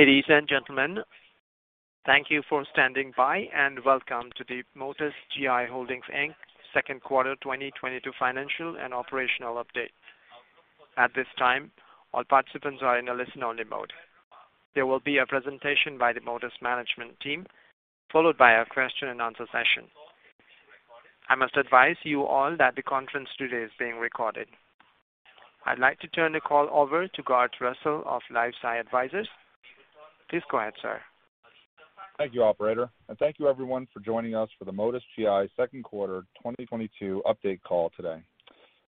Ladies and gentlemen, thank you for standing by, and welcome to the Motus GI Holdings, Inc.'s second quarter 2022 financial and operational update. At this time, all participants are in a listen-only mode. There will be a presentation by the Motus management team, followed by a question-and-answer session. I must advise you all that the conference today is being recorded. I'd like to turn the call over to Garth Russell of LifeSci Advisors. Please go ahead, sir. Thank you, operator, and thank you everyone for joining us for the Motus GI second quarter 2022 update call today.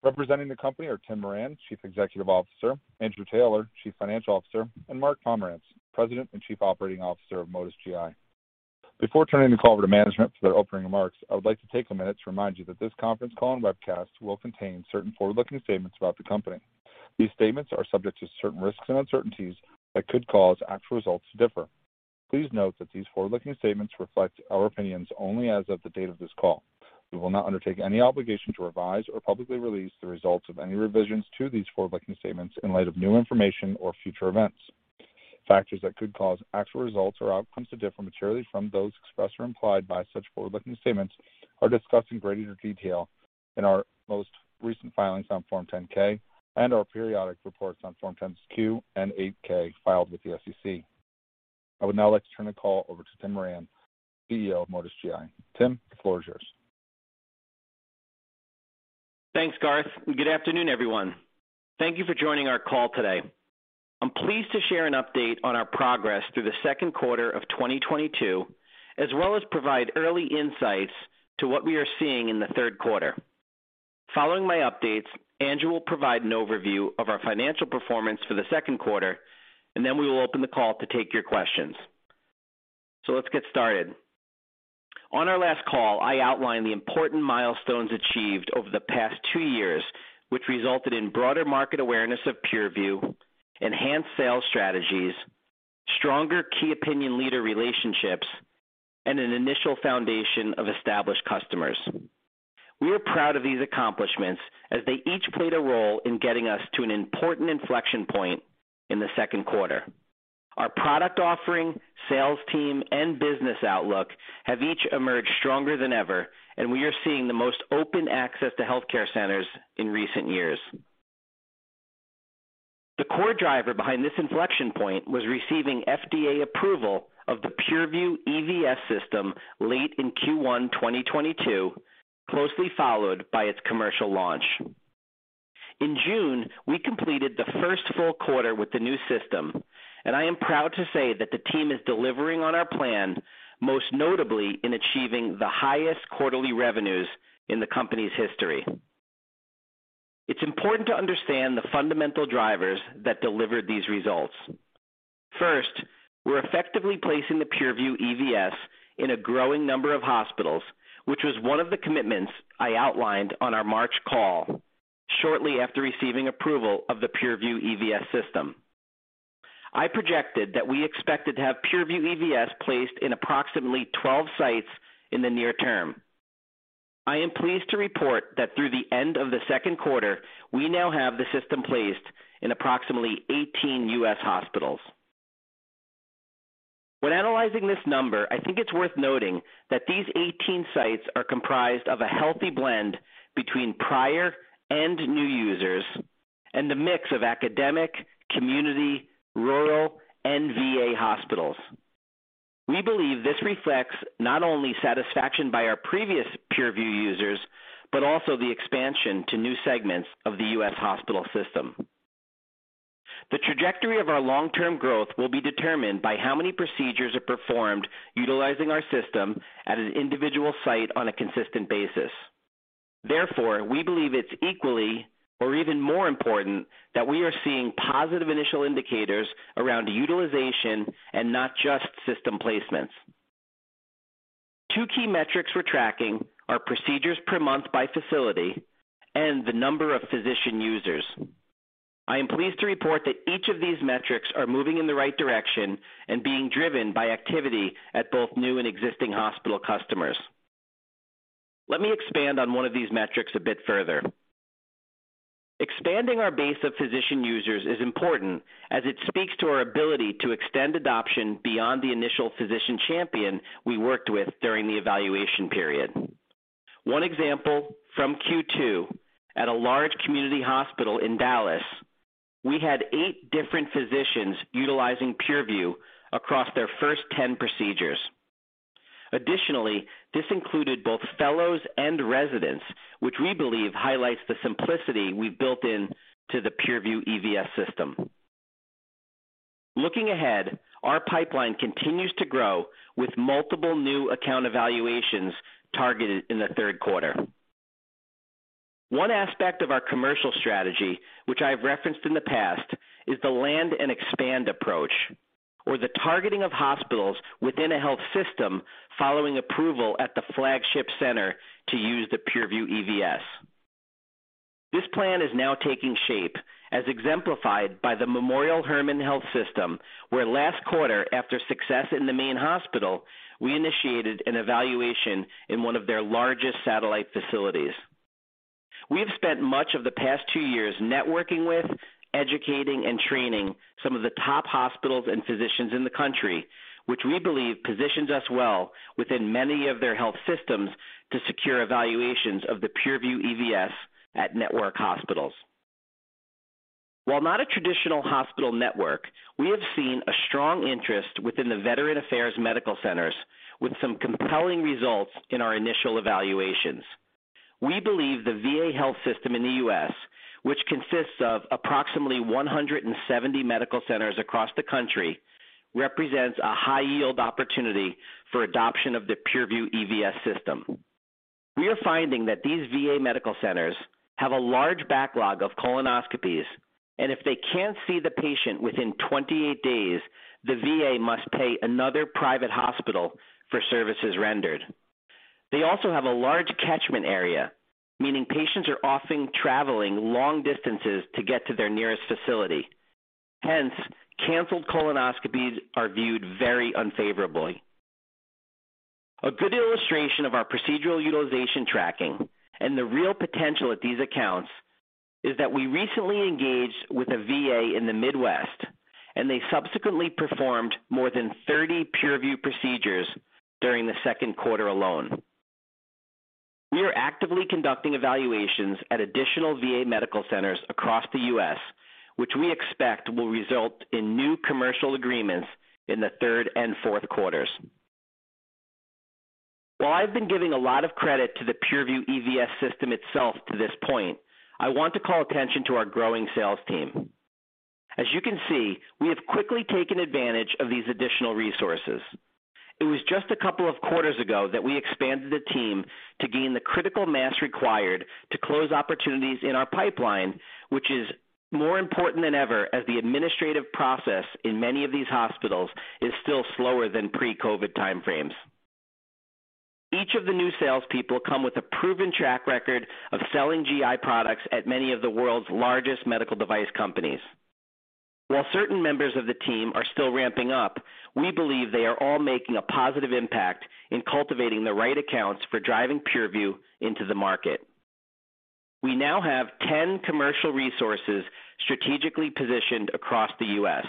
Representing the company are Tim Moran, Chief Executive Officer, Andrew Taylor, Chief Financial Officer, and Mark Pomeranz, President and Chief Operating Officer of Motus GI. Before turning the call over to management for their opening remarks, I would like to take a minute to remind you that this conference call and webcast will contain certain forward-looking statements about the company. These statements are subject to certain risks and uncertainties that could cause actual results to differ. Please note that these forward-looking statements reflect our opinions only as of the date of this call. We will not undertake any obligation to revise or publicly release the results of any revisions to these forward-looking statements in light of new information or future events. Factors that could cause actual results or outcomes to differ materially from those expressed or implied by such forward-looking statements are discussed in greater detail in our most recent filings on Form 10-K and our periodic reports on Form 10-Q and 8-K filed with the SEC. I would now like to turn the call over to Tim Moran, CEO of Motus GI. Tim, the floor is yours. Thanks, Garth, and good afternoon, everyone. Thank you for joining our call today. I'm pleased to share an update on our progress through the second quarter of 2022, as well as provide early insights to what we are seeing in the third quarter. Following my updates, Andrew will provide an overview of our financial performance for the second quarter, and then we will open the call to take your questions. Let's get started. On our last call, I outlined the important milestones achieved over the past two years, which resulted in broader market awareness of Pure-Vu, enhanced sales strategies, stronger key opinion leader relationships, and an initial foundation of established customers. We are proud of these accomplishments as they each played a role in getting us to an important inflection point in the second quarter. Our product offering, sales team, and business outlook have each emerged stronger than ever, and we are seeing the most open access to healthcare centers in recent years. The core driver behind this inflection point was receiving FDA approval of the Pure-Vu EVS system late in Q1 2022, closely followed by its commercial launch. In June, we completed the first full quarter with the new system, and I am proud to say that the team is delivering on our plan, most notably in achieving the highest quarterly revenues in the company's history. It's important to understand the fundamental drivers that delivered these results. First, we're effectively placing the Pure-Vu EVS in a growing number of hospitals, which was one of the commitments I outlined on our March call shortly after receiving approval of the Pure-Vu EVS system. I projected that we expected to have Pure-Vu EVS placed in approximately 12 sites in the near-term. I am pleased to report that through the end of the second quarter, we now have the system placed in approximately 18 U.S. hospitals. When analyzing this number, I think it's worth noting that these 18 sites are comprised of a healthy blend between prior and new users and the mix of academic, community, rural, and VA hospitals. We believe this reflects not only satisfaction by our previous Pure-Vu users, but also the expansion to new segments of the U.S. hospital system. The trajectory of our long-term growth will be determined by how many procedures are performed utilizing our system at an individual site on a consistent basis. Therefore, we believe it's equally or even more important that we are seeing positive initial indicators around utilization and not just system placements. Two key metrics we're tracking are procedures per month by facility and the number of physician users. I am pleased to report that each of these metrics are moving in the right direction and being driven by activity at both new and existing hospital customers. Let me expand on one of these metrics a bit further. Expanding our base of physician users is important as it speaks to our ability to extend adoption beyond the initial physician champion we worked with during the evaluation period. One example from Q2 at a large community hospital in Dallas, we had eight different physicians utilizing Pure-Vu across their first 10 procedures. Additionally, this included both fellows and residents, which we believe highlights the simplicity we've built into the Pure-Vu EVS system. Looking ahead, our pipeline continues to grow with multiple new account evaluations targeted in the third quarter. One aspect of our commercial strategy, which I've referenced in the past, is the land and expand approach or the targeting of hospitals within a health system following approval at the flagship center to use the Pure-Vu EVS. This plan is now taking shape as exemplified by the Memorial Hermann Health System, where last quarter, after success in the main hospital, we initiated an evaluation in one of their largest satellite facilities. We have spent much of the past two years networking with, educating, and training some of the top hospitals and physicians in the country, which we believe positions us well within many of their health systems to secure evaluations of the Pure-Vu EVS at network hospitals. While not a traditional hospital network, we have seen a strong interest within the Veterans Affairs medical centers with some compelling results in our initial evaluations. We believe the VA health system in the U.S., which consists of approximately 170 medical centers across the country, represents a high-yield opportunity for adoption of the Pure-Vu EVS system. We are finding that these VA medical centers have a large backlog of colonoscopies, and if they can't see the patient within 28 days, the VA must pay another private hospital for services rendered. They also have a large catchment area, meaning patients are often traveling long distances to get to their nearest facility. Hence, canceled colonoscopies are viewed very unfavorably. A good illustration of our procedural utilization tracking and the real potential at these accounts is that we recently engaged with a VA in the Midwest, and they subsequently performed more than 30 Pure-Vu procedures during the second quarter alone. We are actively conducting evaluations at additional VA medical centers across the U.S., which we expect will result in new commercial agreements in the third and fourth quarters. While I've been giving a lot of credit to the Pure-Vu EVS system itself to this point, I want to call attention to our growing sales team. As you can see, we have quickly taken advantage of these additional resources. It was just a couple of quarters ago that we expanded the team to gain the critical mass required to close opportunities in our pipeline, which is more important than ever as the administrative process in many of these hospitals is still slower than pre-COVID time frames. Each of the new salespeople come with a proven track record of selling GI products at many of the world's largest medical device companies. While certain members of the team are still ramping up, we believe they are all making a positive impact in cultivating the right accounts for driving Pure-Vu into the market. We now have 10 commercial resources strategically positioned across the U.S.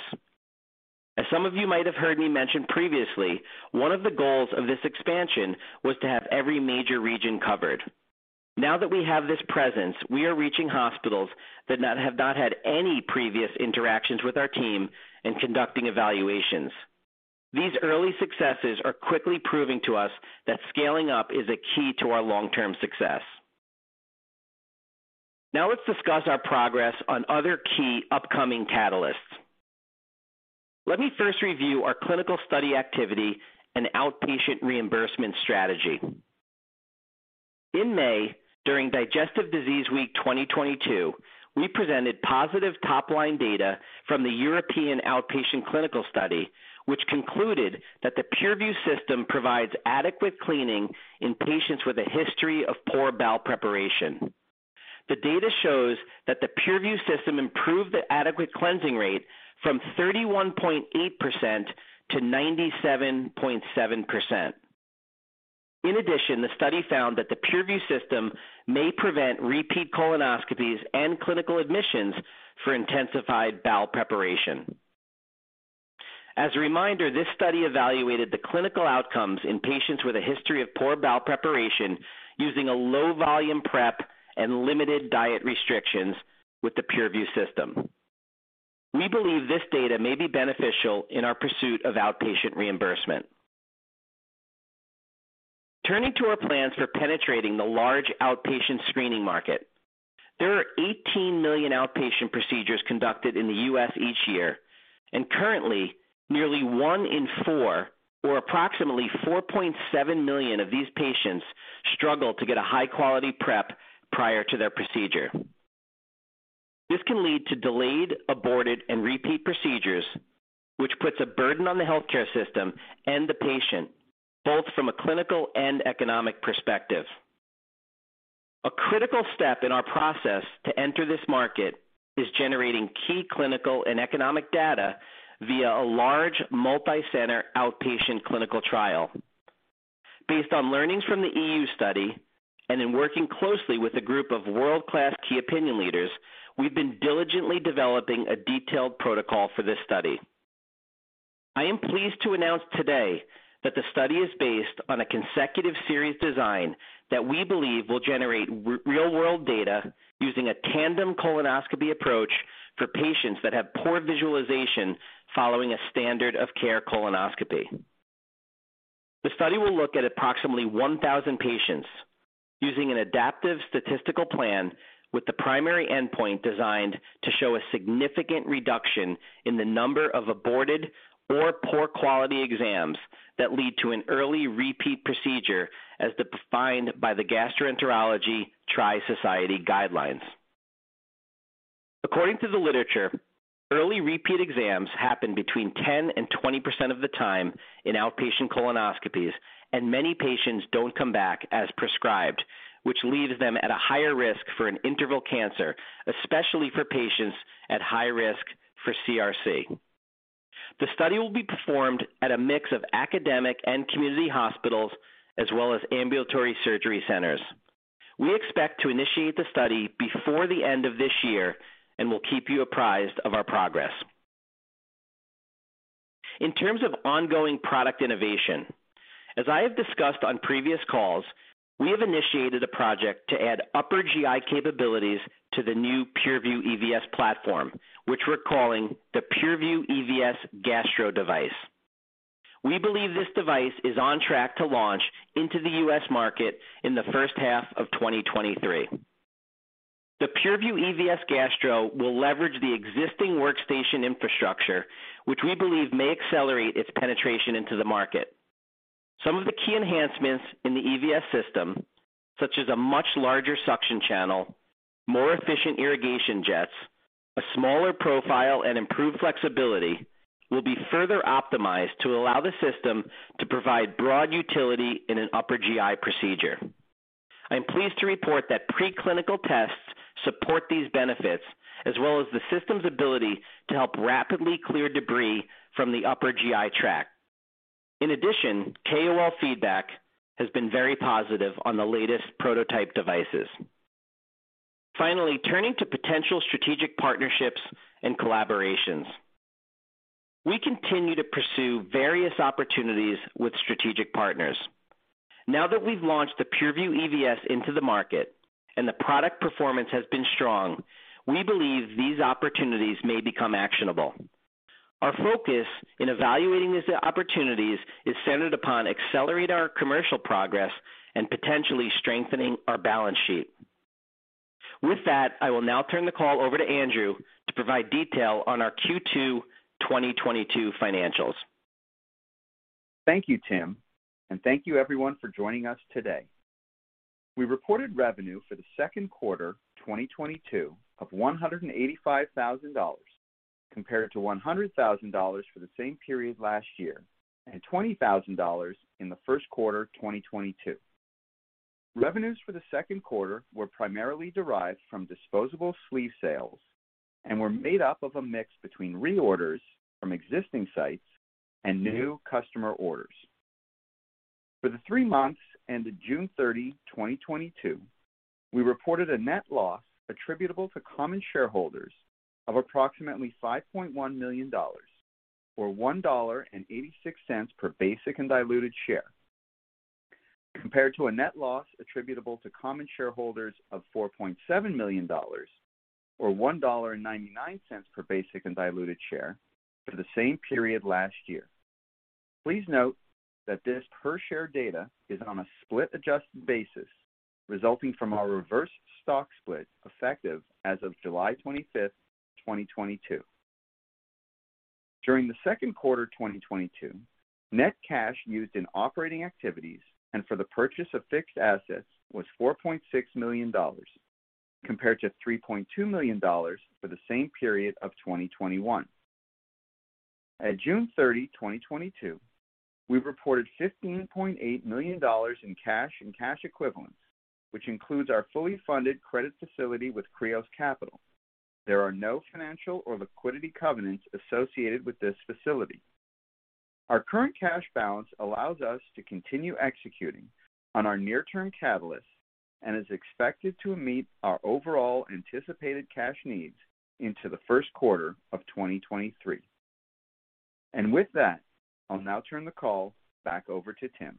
As some of you might have heard me mention previously, one of the goals of this expansion was to have every major region covered. Now that we have this presence, we are reaching hospitals that have not had any previous interactions with our team in conducting evaluations. These early successes are quickly proving to us that scaling up is a key to our long-term success. Now let's discuss our progress on other key upcoming catalysts. Let me first review our clinical study activity and outpatient reimbursement strategy. In May, during Digestive Disease Week 2022, we presented positive top-line data from the European outpatient clinical study, which concluded that the Pure-Vu system provides adequate cleaning in patients with a history of poor bowel preparation. The data shows that the Pure-Vu system improved the adequate cleansing rate from 31.8% to 97.7%. In addition, the study found that the Pure-Vu system may prevent repeat colonoscopies and clinical admissions for intensified bowel preparation. As a reminder, this study evaluated the clinical outcomes in patients with a history of poor bowel preparation using a low-volume prep and limited diet restrictions with the Pure-Vu system. We believe this data may be beneficial in our pursuit of outpatient reimbursement. Turning to our plans for penetrating the large outpatient screening market, there are 18 million outpatient procedures conducted in the U.S. each year, and currently, nearly one in four, or approximately 4.7 million of these patients, struggle to get a high-quality prep prior to their procedure. This can lead to delayed, aborted, and repeat procedures, which puts a burden on the healthcare system and the patient, both from a clinical and economic perspective. A critical step in our process to enter this market is generating key clinical and economic data via a large multi-center outpatient clinical trial. Based on learnings from the EU study and in working closely with a group of world-class key opinion leaders, we've been diligently developing a detailed protocol for this study. I am pleased to announce today that the study is based on a consecutive series design that we believe will generate real-world data using a tandem colonoscopy approach for patients that have poor visualization following a standard of care colonoscopy. The study will look at approximately 1,000 patients using an adaptive statistical plan with the primary endpoint designed to show a significant reduction in the number of aborted or poor quality exams that lead to an early repeat procedure as defined by the Gastroenterology Tri-Society guidelines. According to the literature, early repeat exams happen between 10% and 20% of the time in outpatient colonoscopies, and many patients don't come back as prescribed, which leaves them at a higher risk for an interval cancer, especially for patients at high risk for CRC. The study will be performed at a mix of academic and community hospitals, as well as ambulatory surgery centers. We expect to initiate the study before the end of this year, and we'll keep you apprised of our progress. In terms of ongoing product innovation, as I have discussed on previous calls, we have initiated a project to add upper GI capabilities to the new Pure-Vu EVS platform, which we're calling the Pure-Vu EVS Gastro device. We believe this device is on track to launch into the U.S. market in the first half of 2023. The Pure-Vu EVS Gastro will leverage the existing workstation infrastructure, which we believe may accelerate its penetration into the market. Some of the key enhancements in the EVS system, such as a much larger suction channel, more efficient irrigation jets, a smaller profile, and improved flexibility, will be further optimized to allow the system to provide broad utility in an upper GI procedure. I'm pleased to report that preclinical tests support these benefits, as well as the system's ability to help rapidly clear debris from the upper GI tract. In addition, KOL feedback has been very positive on the latest prototype devices. Finally, turning to potential strategic partnerships and collaborations. We continue to pursue various opportunities with strategic partners. Now that we've launched the Pure-Vu EVS into the market and the product performance has been strong, we believe these opportunities may become actionable. Our focus in evaluating these opportunities is centered upon accelerating our commercial progress and potentially strengthening our balance sheet. With that, I will now turn the call over to Andrew to provide detail on our Q2 2022 financials. Thank you, Tim, and thank you everyone for joining us today. We reported revenue for the second quarter 2022 of $185,000 compared to $100,000 for the same period last year, and $20,000 in the first quarter 2022. Revenues for the second quarter were primarily derived from disposable sleeve sales and were made up of a mix between reorders from existing sites and new customer orders. For the three months ended June 30, 2022, we reported a net loss attributable to common shareholders of approximately $5.1 million or $1.86 per basic and diluted share, compared to a net loss attributable to common shareholders of $4.7 million or $1.99 per basic and diluted share for the same period last year. Please note that this per share data is on a split-adjusted basis resulting from our reverse stock split effective as of July 25th, 2022. During the second quarter 2022, net cash used in operating activities and for the purchase of fixed assets was $4.6 million compared to $3.2 million for the same period of 2021. At June 30, 2022, we reported $15.8 million in cash and cash equivalents, which includes our fully funded credit facility with Kreos Capital. There are no financial or liquidity covenants associated with this facility. Our current cash balance allows us to continue executing on our near-term catalysts and is expected to meet our overall anticipated cash needs into the first quarter of 2023. With that, I'll now turn the call back over to Tim.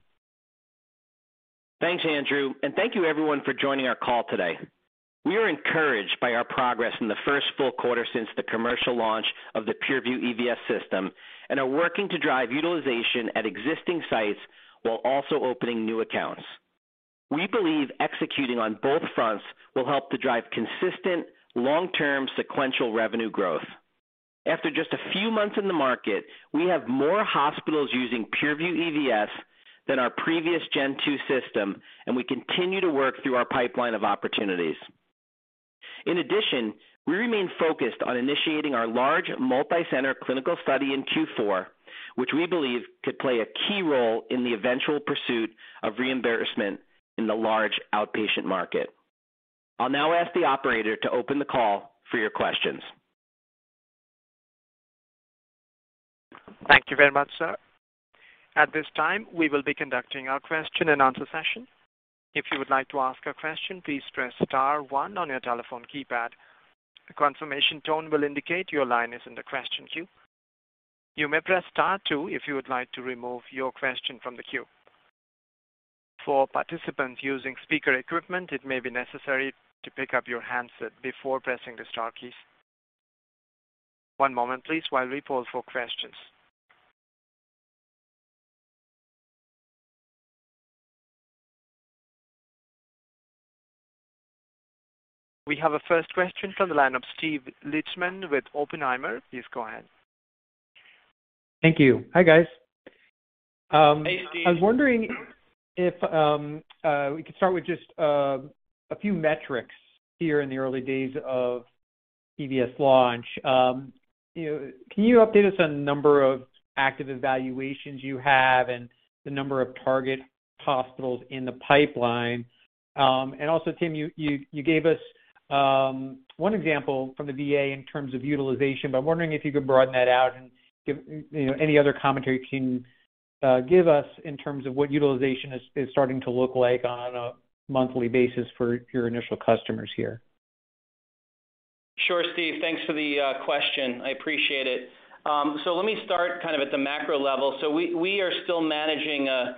Thanks, Andrew, and thank you everyone for joining our call today. We are encouraged by our progress in the first full quarter since the commercial launch of the Pure-Vu EVS system and are working to drive utilization at existing sites while also opening new accounts. We believe executing on both fronts will help to drive consistent long-term sequential revenue growth. After just a few months in the market, we have more hospitals using Pure-Vu EVS than our previous Gen2 system, and we continue to work through our pipeline of opportunities. In addition, we remain focused on initiating our large multi-center clinical study in Q4, which we believe could play a key role in the eventual pursuit of reimbursement in the large outpatient market. I'll now ask the operator to open the call for your questions. Thank you very much, sir. At this time, we will be conducting our question-and-answer session. If you would like to ask a question, please press star-one on your telephone keypad. A confirmation tone will indicate your line is in the question queue. You may press star-two if you would like to remove your question from the queue. For participants using speaker equipment, it may be necessary to pick up your handset before pressing the star keys. One moment please while we poll for questions. We have our first question from the line of Steven Lichtman with Oppenheimer. Please go ahead. Thank you. Hi, guys. Hey, Steve. I was wondering if we could start with just a few metrics here in the early days of EVS launch. Can you update us on number of active evaluations you have and the number of target hospitals in the pipeline. Also Tim, you gave us one example from the VA in terms of utilization, but I'm wondering if you could broaden that out and give, you know, any other commentary you can give us in terms of what utilization is starting to look like on a monthly basis for your initial customers here. Sure, Steve. Thanks for the question. I appreciate it. Let me start kind of at the macro level. We are still managing a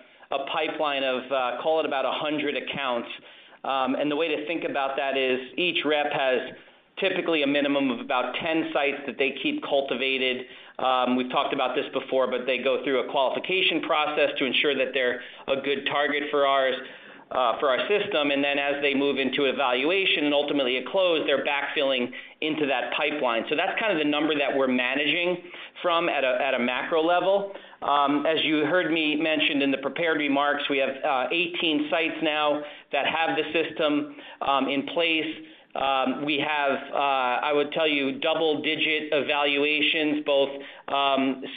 pipeline of, call it about 100 accounts. The way to think about that is each rep has typically a minimum of about 10 sites that they keep cultivated. We've talked about this before, but they go through a qualification process to ensure that they're a good target for our system, and then as they move into evaluation and ultimately a close, they're backfilling into that pipeline. That's kind of the number that we're managing from at a macro level. As you heard me mention in the prepared remarks, we have 18 sites now that have the system in place. We have, I would tell you, double-digit evaluations, both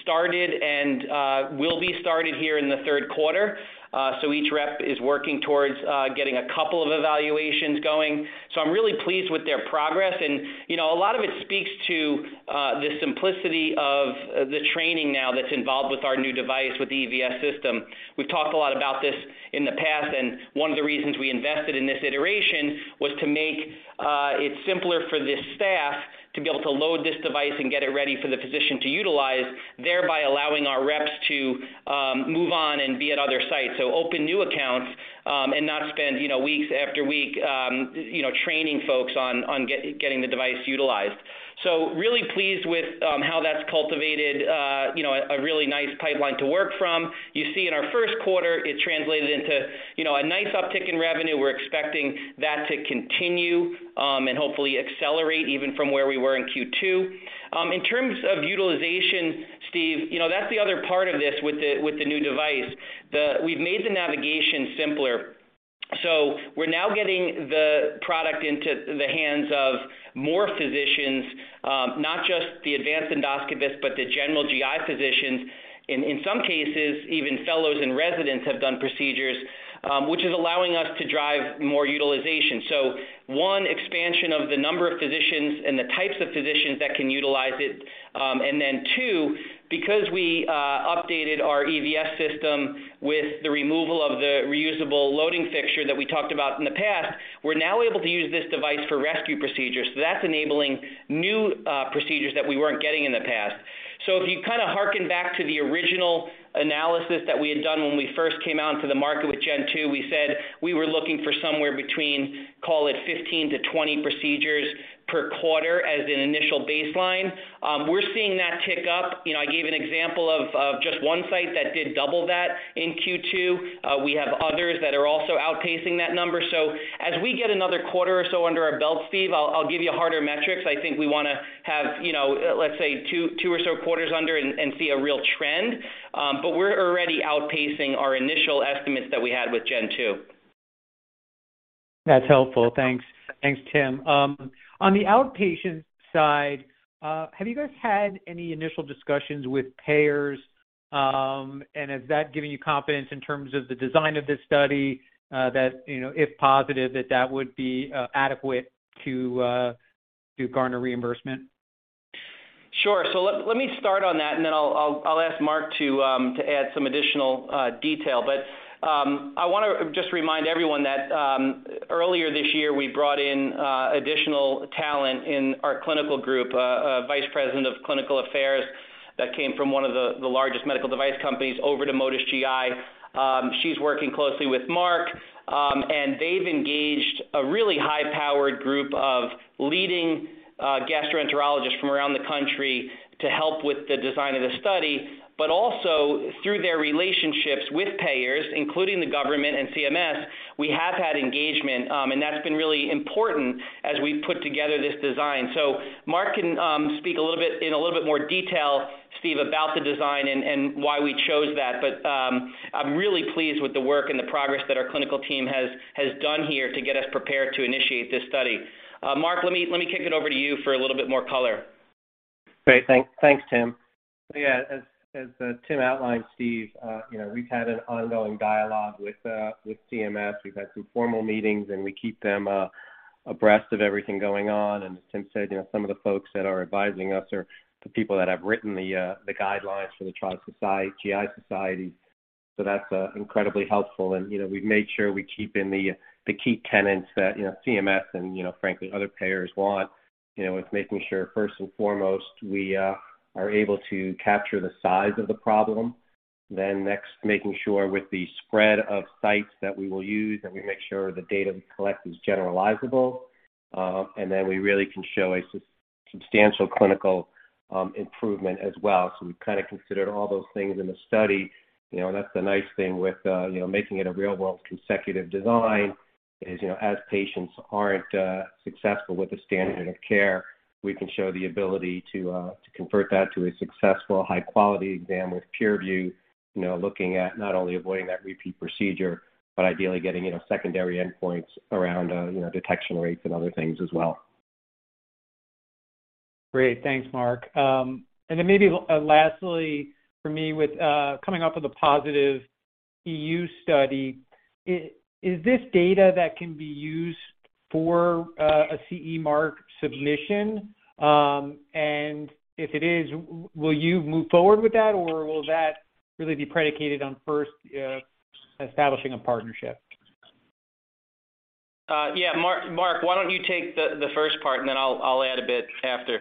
started and will be started here in the third quarter. Each rep is working towards getting a couple of evaluations going. I'm really pleased with their progress. You know, a lot of it speaks to the simplicity of the training now that's involved with our new device, with the EVS system. We've talked a lot about this in the past, and one of the reasons we invested in this iteration was to make it simpler for the staff to be able to load this device and get it ready for the physician to utilize, thereby allowing our reps to move on and be at other sites. Open new accounts and not spend, you know, week after week, you know, training folks on getting the device utilized. Really pleased with how that's cultivated, you know, a really nice pipeline to work from. You see in our first quarter, it translated into, you know, a nice uptick in revenue. We're expecting that to continue and hopefully accelerate even from where we were in Q2. In terms of utilization, Steve, you know, that's the other part of this with the new device. We've made the navigation simpler. We're now getting the product into the hands of more physicians, not just the advanced endoscopists, but the general GI physicians. In some cases, even fellows and residents have done procedures, which is allowing us to drive more utilization. One, expansion of the number of physicians and the types of physicians that can utilize it. Then two, because we updated our EVS system with the removal of the reusable loading fixture that we talked about in the past, we're now able to use this device for rescue procedures. That's enabling new procedures that we weren't getting in the past. If you kind of hearken back to the original analysis that we had done when we first came out into the market with Gen2, we said we were looking for somewhere between, call it 15-20 procedures per quarter as an initial baseline. We're seeing that tick up. You know, I gave an example of just one site that did double that in Q2. We have others that are also outpacing that number. As we get another quarter or so under our belt, Steve, I'll give you harder metrics. I think we want to have, you know, let's say two or so quarters under and see a real trend. But we're already outpacing our initial estimates that we had with Gen2. That's helpful. Thanks, Tim. On the outpatient side, have you guys had any initial discussions with payers, and is that giving you confidence in terms of the design of this study, that you know if positive that would be adequate to garner reimbursement? Sure. Let me start on that, and then I'll ask Mark to add some additional detail. I want to just remind everyone that earlier this year, we brought in additional talent in our clinical group, a vice president of clinical affairs that came from one of the largest medical device companies over to Motus GI. She's working closely with Mark, and they've engaged a really high-powered group of leading gastroenterologists from around the country to help with the design of the study. Also through their relationships with payers, including the government and CMS, we have had engagement, and that's been really important as we've put together this design. Mark can speak a little bit in a little bit more detail, Steve, about the design and why we chose that. I'm really pleased with the work and the progress that our clinical team has done here to get us prepared to initiate this study. Mark, let me kick it over to you for a little bit more color. Great. Thanks, Tim. Yeah, as Tim outlined, Steve, you know, we've had an ongoing dialogue with CMS. We've had some formal meetings, and we keep them abreast of everything going on. As Tim said, you know, some of the folks that are advising us are the people that have written the guidelines for the Tri-Society, GI society. That's incredibly helpful. You know, we've made sure we keep in the key tenets that, you know, CMS and, you know, frankly, other payers want. You know, it's making sure first and foremost we are able to capture the size of the problem. Next, making sure with the spread of sites that we will use, that we make sure the data we collect is generalizable. We really can show a substantial clinical improvement as well. We've kind of considered all those things in the study. You know, that's the nice thing with, you know, making it a real-world consecutive design is, you know, as patients aren't successful with the standard of care, we can show the ability to convert that to a successful high-quality exam with Pure-Vu. You know, looking at not only avoiding that repeat procedure, but ideally getting, you know, secondary endpoints around, you know, detection rates and other things as well. Great. Thanks, Mark. Maybe lastly for me with coming off of the positive EU study, is this data that can be used for a CE mark submission? If it is, will you move forward with that, or will that really be predicated on first establishing a partnership? Yeah. Mark, why don't you take the first part, and then I'll add a bit after.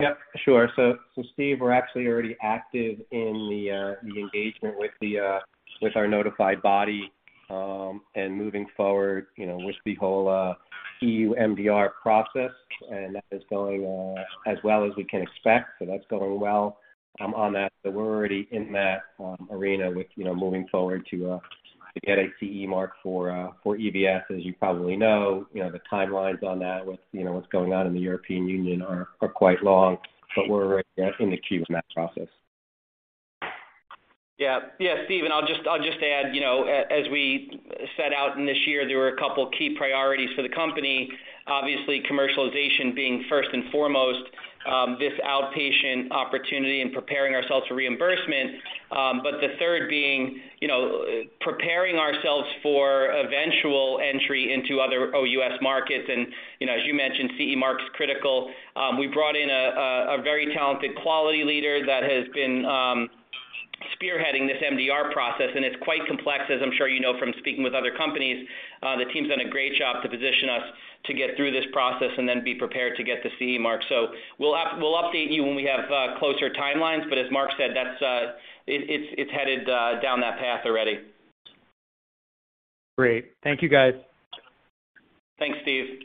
Yep. Sure. Steve, we're actually already active in the engagement with our notified body and moving forward, you know, with the whole EU MDR process. That is going as well as we can expect. That's going well on that. We're already in that arena with, you know, moving forward to get a CE mark for EVS. As you probably know, you know, the timelines on that with, you know, what's going on in the European Union are quite long, but we're in the queue with that process. Steve, I'll just add, as we set out in this year, there were a couple key priorities for the company. Obviously, commercialization being first and foremost, this outpatient opportunity and preparing ourselves for reimbursement. The third being, preparing ourselves for eventual entry into other OUS markets. As you mentioned, CE mark's critical. We brought in a very talented quality leader that has been spearheading this MDR process, and it's quite complex as I'm sure you know from speaking with other companies. The team's done a great job to position us to get through this process and then be prepared to get the CE mark. We'll update you when we have closer timelines. As Mark said, that's it's headed down that path already. Great. Thank you, guys. Thanks, Steve.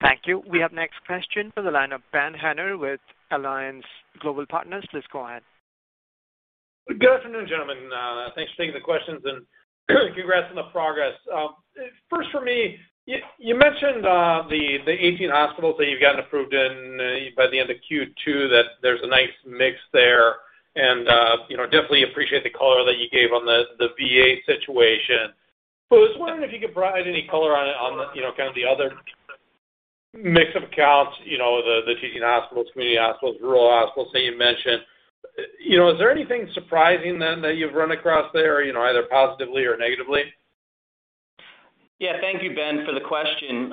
Thank you. We have next question from the line of Ben Haynor with Alliance Global Partners. Please go ahead. Good afternoon, gentlemen. Thanks for taking the questions and congrats on the progress. First for me, you mentioned the 18 hospitals that you've gotten approved in by the end of Q2, that there's a nice mix there and you know, definitely appreciate the color that you gave on the VA situation. I was wondering if you could provide any color on you know, kind of the other mix of accounts, you know, the teaching hospitals, community hospitals, rural hospitals that you mentioned. You know, is there anything surprising then that you've run across there, you know, either positively or negatively? Yeah. Thank you, Ben, for the question.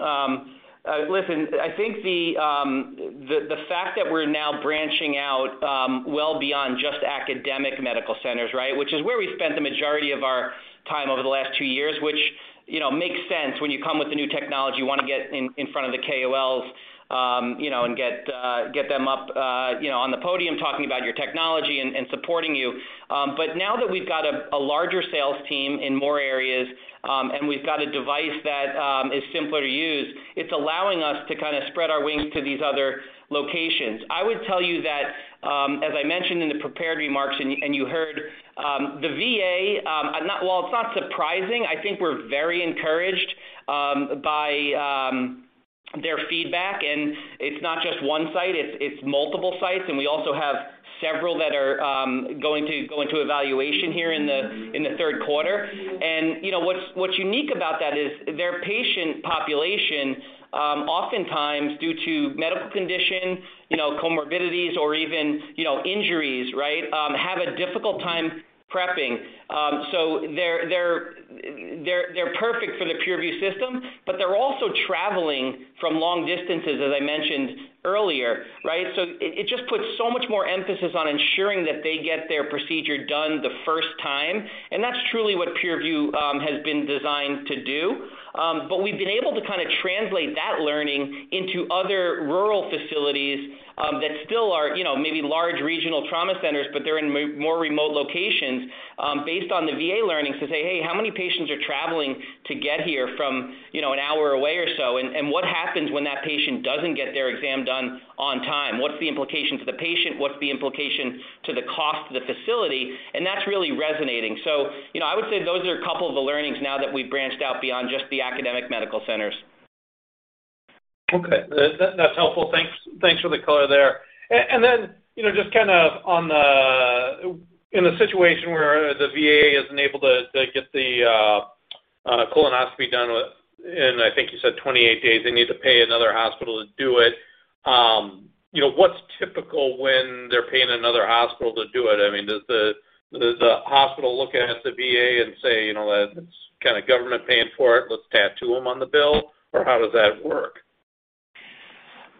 Listen, I think the fact that we're now branching out well beyond just academic medical centers, right? Which is where we spent the majority of our time over the last two years, which you know makes sense when you come with a new technology, you want to get in front of the KOLs, you know, and get them up you know on the podium talking about your technology and supporting you. Now that we've got a larger sales team in more areas, and we've got a device that is simpler to use, it's allowing us to kind of spread our wings to these other locations. I would tell you that, as I mentioned in the prepared remarks, and you heard the VA while it's not surprising, I think we're very encouraged by their feedback. It's not just one site, it's multiple sites, and we also have several that are going to go into evaluation here in the third quarter. You know, what's unique about that is their patient population, oftentimes due to medical condition, you know, comorbidities or even, you know, injuries, right? Have a dificult time prepping. They're perfect for the Pure-Vu system, but they're also traveling from long distances, as I mentioned earlier, right? It just puts so much more emphasis on ensuring that they get their procedure done the first time, and that's truly what Pure-Vu has been designed to do. But we've been able to kinda translate that learning into other rural facilities that still are, you know, maybe large regional trauma centers, but they're in more remote locations, based on the VA learnings to say, "Hey, how many patients are traveling to get here from, you know, an hour away or so? And what happens when that patient doesn't get their exam done on time? What's the implication to the patient? What's the implication to the cost of the facility?" And that's really resonating. You know, I would say those are a couple of the learnings now that we've branched out beyond just the academic medical centers. Okay. That's helpful. Thanks for the color there. You know, just kind of in a situation where the VA isn't able to get the colonoscopy done within, I think you said 28 days, they need to pay another hospital to do it. You know, what's typical when they're paying another hospital to do it? I mean, does the hospital look at the VA and say, "You know, that's kinda government paying for it, let's tattoo them on the bill," or how does that work?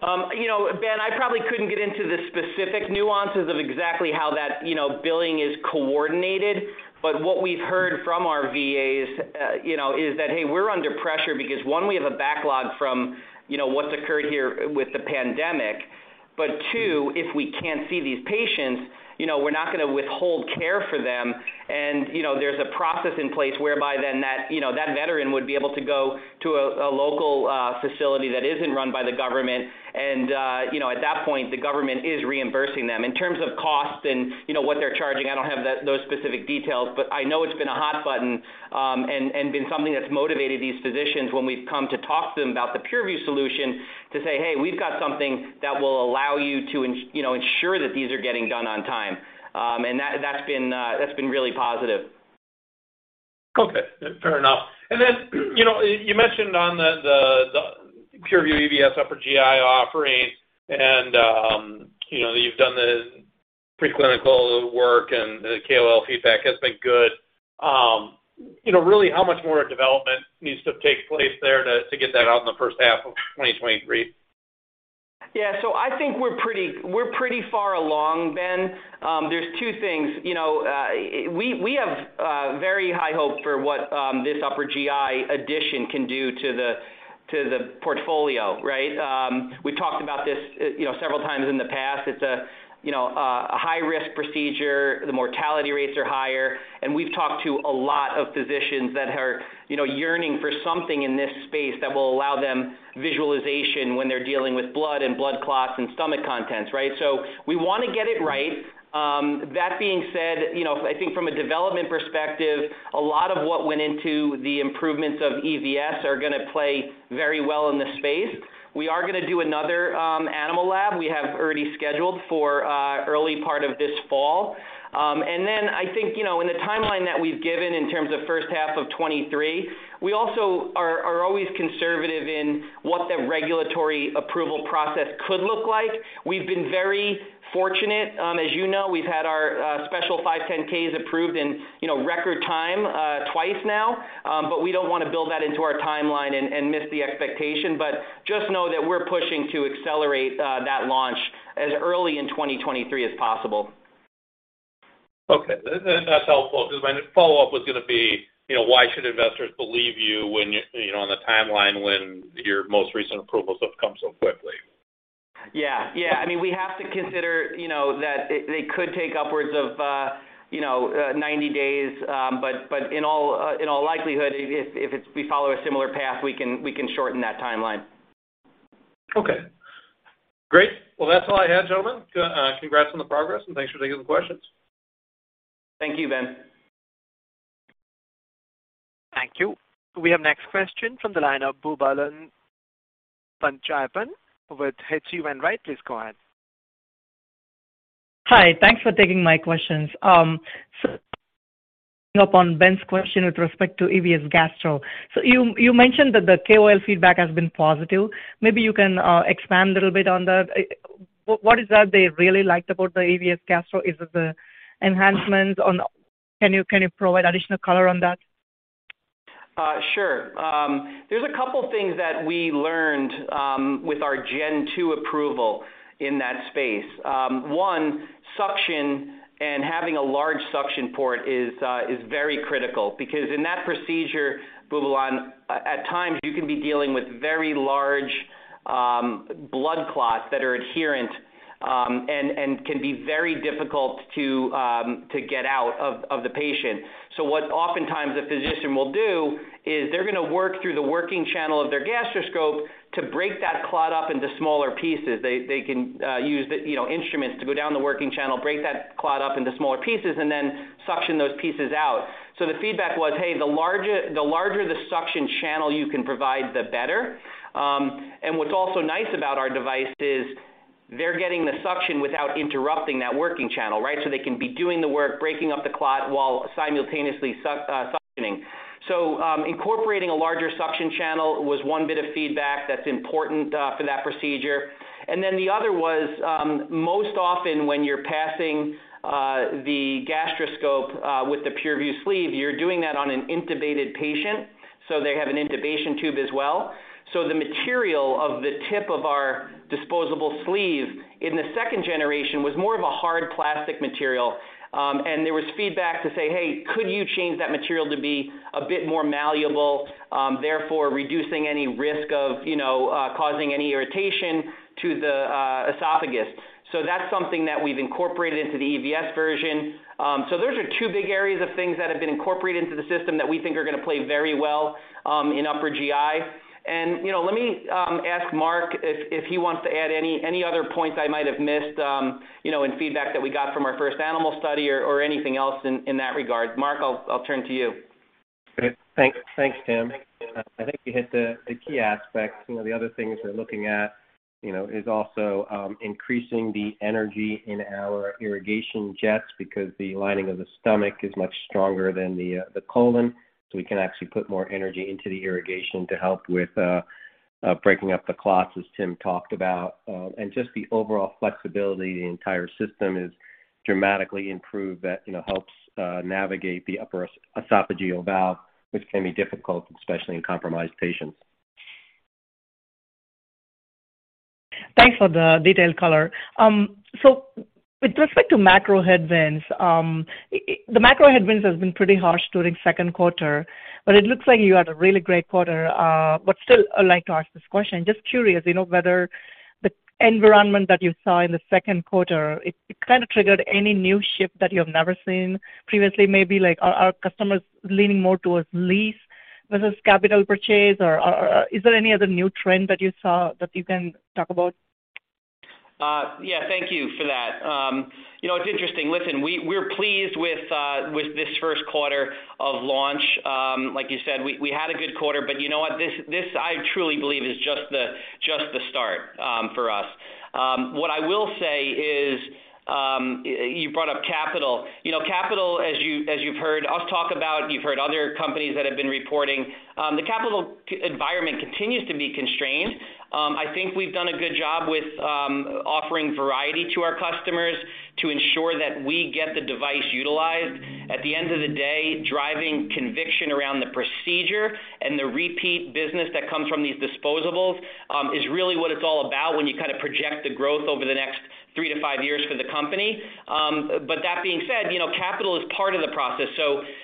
You know, Ben, I probably couldn't get into the specific nuances of exactly how that, you know, billing is coordinated. What we've heard from our VAs, you know, is that, "Hey, we're under pressure because, one, we have a backlog from, you know, what's occurred here with the pandemic. But two, if we can't see these patients, you know, we're not going to withhold care for them." You know, there's a process in place whereby then that, you know, that veteran would be able to go to a local facility that isn't run by the government. You know, at that point, the government is reimbursing them. In terms of costs and, you know, what they're charging, I don't have that, those specific details, but I know it's been a hot button, and been something that's motivated these physicians when we've come to talk to them about the Pure-Vu solution to say, "Hey, we've got something that will allow you to ensure that these are getting done on time." That, that's been really positive. Okay, fair enough. Then, you know, you mentioned on the Pure-Vu EVS upper GI offering and, you know, you've done the preclinical work and the KOL feedback has been good. You know, really, how much more development needs to take place there to get that out in the first half of 2023? Yeah. I think we're pretty far along, Ben. There's two things. You know, we have very high hopes for what this upper GI addition can do to the portfolio, right? We've talked about this, you know, several times in the past. It's a, you know, a high risk procedure. The mortality rates are higher, and we've talked to a lot of physicians that are, you know, yearning for something in this space that will allow them visualization when they're dealing with blood and blood clots and stomach contents, right? We want to get it right. That being said, you know, I think from a development perspective, a lot of what went into the improvements of EVS are going to play very well in this space. We are going to do another animal lab. We have already scheduled for early part of this fall. I think, you know, in the timeline that we've given in terms of first half of 2023, we also are always conservative in what the regulatory approval process could look like. We've been very fortunate. As you know, we've had our special 510(k)s approved in, you know, record time twice now. We don't want to build that into our timeline and miss the expectation. Just know that we're pushing to accelerate that launch as early in 2023 as possible. Okay. That's helpful because my follow-up was going to be, you know, why should investors believe you when, you know, on the timeline when your most recent approvals have come so quickly? Yeah. Yeah. I mean, we have to consider, you know, that it could take upwards of 90 days. But in all likelihood, if we follow a similar path, we can shorten that timeline. Okay. Great. Well, that's all I had, gentlemen. Congrats on the progress, and thanks for taking the questions. Thank you, Ben. Thank you. We have next question from the line of Swayampakula Ramakanth with H.C. Wainwright. Please go ahead. Hi. Thanks for taking my questions. Upon Ben's question with respect to EVS Gastro, you mentioned that the KOL feedback has been positive. Maybe you can expand a little bit on that. What is that they really liked about the EVS Gastro? Is it the enhancements? Can you provide additional color on that? Sure. There's a couple things that we learned with our Gen2 approval in that space. One, suction and having a large suction port is very critical because in that procedure, Swayampakula Ramakanth, at times you can be dealing with very large blood clots that are adherent and can be very difficult to get out of the patient. What oftentimes a physician will do is they're going to work through the working channel of their gastroscope to break that clot up into smaller pieces. They can use the, you know, instruments to go down the working channel, break that clot up into smaller pieces, and then suction those pieces out. The feedback was, hey, the larger the suction channel you can provide, the better. What's also nice about our device is they're getting the suction without interrupting that working channel, right? They can be doing the work, breaking up the clot while simultaneously suctioning. Incorporating a larger suction channel was one bit of feedback that's important for that procedure. The other was most often, when you're passing the gastroscope with the Pure-Vu sleeve, you're doing that on an intubated patient, so they have an intubation tube as well. The material of the tip of our disposable sleeve in the second generation was more of a hard plastic material. There was feedback to say, "Hey, could you change that material to be a bit more malleable, therefore reducing any risk of, you know, causing any irritation to the esophagus?" That's something that we've incorporated into the EVS version. Those are two big areas of things that have been incorporated into the system that we think are going to play very well in upper GI. You know, let me ask Mark if he wants to add any other points I might have missed, you know, in feedback that we got from our first animal study or anything else in that regard. Mark, I'll turn to you. Great. Thanks. Thanks, Tim. I think you hit the key aspects. You know, the other things we're looking at, you know, is also increasing the energy in our irrigation jets because the lining of the stomach is much stronger than the colon, so we can actually put more energy into the irrigation to help with breaking up the clots, as Tim talked about. Just the overall flexibility of the entire system is dramatically improved. That, you know, helps navigate the upper esophageal valve, which can be difficult, especially in compromised patients. Thanks for the detailed color. With respect to macro headwinds, the macro headwinds has been pretty harsh during second quarter, but it looks like you had a really great quarter. Still, I'd like to ask this question. Just curious, you know, whether the environment that you saw in the second quarter, it kinda triggered any new shift that you have never seen previously, maybe like are customers leaning more towards lease versus capital purchase? Is there any other new trend that you saw that you can talk about? Yeah, thank you for that. You know, it's interesting. Listen, we're pleased with this first quarter of launch. Like you said, we had a good quarter. You know what? This I truly believe is just the start for us. What I will say is you brought up capital. You know, capital, as you've heard us talk about, you've heard other companies that have been reporting, the capital environment continues to be constrained. I think we've done a good job with offering variety to our customers to ensure that we get the device utilized. At the end of the day, driving conviction around the procedure and the repeat business that comes from these disposables is really what it's all about when you kind of project the growth over the next three to five years for the company. But that being said, you know, capital is part of the process.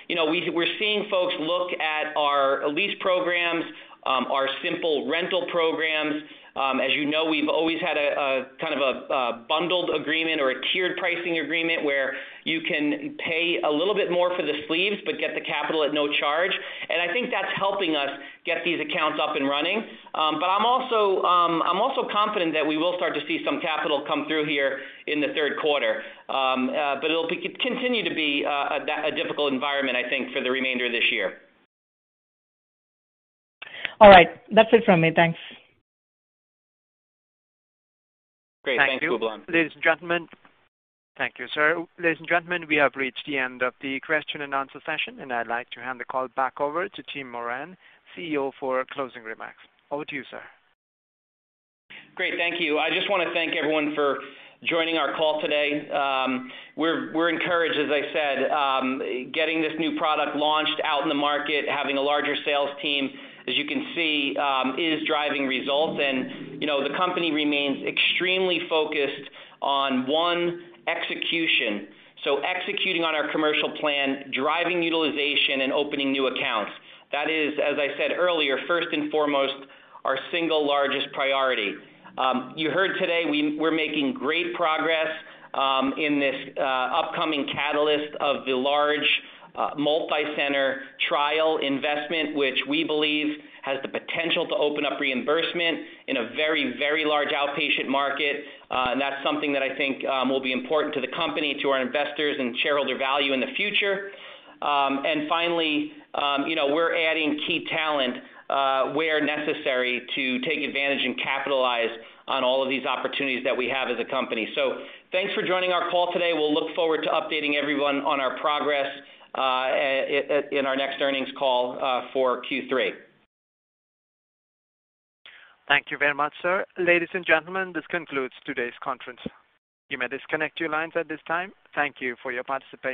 You know, we're seeing folks look at our lease programs, our simple rental programs. As you know, we've always had a kind of a bundled agreement or a tiered pricing agreement where you can pay a little bit more for the sleeves but get the capital at no charge. I think that's helping us get these accounts up and running. But I'm also confident that we will start to see some capital come through here in the third quarter. It'll continue to be a difficult environment, I think, for the remainder of this year. All right. That's it from me. Thanks. Great. Thanks. Thank you, sir. Ladies and gentlemen, we have reached the end of the question and answer session, and I'd like to hand the call back over to Tim Moran, CEO, for closing remarks. Over to you, sir. Great. Thank you. I just want to thank everyone for joining our call today. We're encouraged, as I said, getting this new product launched out in the market, having a larger sales team, as you can see, is driving results. You know, the company remains extremely focused on one execution. Executing on our commercial plan, driving utilization and opening new accounts. That is, as I said earlier, first and foremost, our single largest priority. You heard today we're making great progress in this upcoming catalyst of the large multi-center trial investment, which we believe has the potential to open up reimbursement in a very, very large outpatient market. That's something that I think will be important to the company, to our investors and shareholder value in the future. Finally, you know, we're adding key talent where necessary to take advantage and capitalize on all of these opportunities that we have as a company. Thanks for joining our call today. We'll look forward to updating everyone on our progress in our next earnings call for Q3. Thank you very much, sir. Ladies and gentlemen, this concludes today's conference. You may disconnect your lines at this time. Thank you for your participation.